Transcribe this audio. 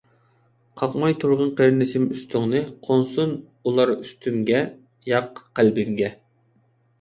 قاقماي تۇرغىن قېرىندىشىم ئۈستۈڭنى، قونسۇن ئۇلار ئۈستۈمگە، ياق قەلبىمگە.